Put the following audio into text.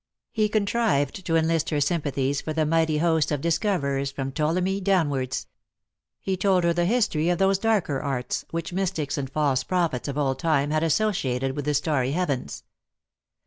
He contrived to enlist her sympathies for the mighty host of dis coverers, from Ptolemy downwards. He told her the history of those darker arts, which mystics and false prophets of old time had associated with the starry heavens.